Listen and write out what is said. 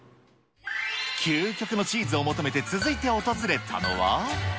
究極のチーズを求めて、続いて訪れたのは。